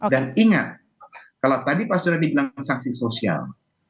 dan ingat kalau tadi pak suryadi bilang tentang sanksi sosial